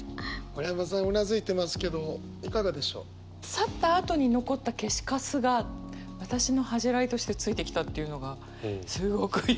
「去った後に残った消しカスが私の恥じらいとしてついてきた」っていうのがすごくよく分かる。